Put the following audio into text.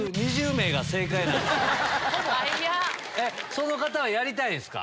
その方はやりたいんすか？